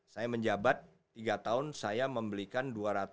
saya menjabat tiga tahun saya membelikan dua ratus